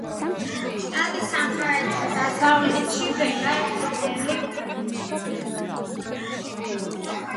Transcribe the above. შტატის სამხრეთ-დასავლეთში ბევრი პლატო და სავანაა.